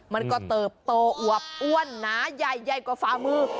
มันก็เติบโตอวบอ้วนหนาใหญ่กว่าฝ่ามือ